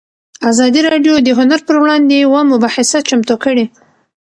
ازادي راډیو د هنر پر وړاندې یوه مباحثه چمتو کړې.